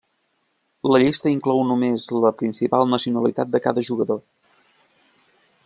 La llista inclou només la principal nacionalitat de cada jugador.